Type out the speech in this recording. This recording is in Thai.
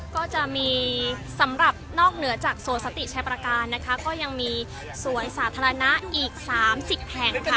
ก็จะมีสำหรับนอกเหนือจากสวนสติชัยประการนะคะก็ยังมีสวนสาธารณะอีก๓๐แห่งค่ะ